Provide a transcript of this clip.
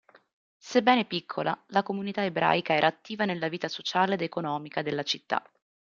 Sebbene piccola, la comunità ebraica era attiva nella vita sociale ed economica della città.